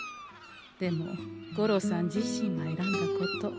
でも五郎さん自身が選んだこと。